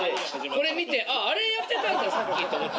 これ見て「あぁあれやってたんださっき」と思って。